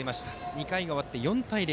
２回が終わって４対０。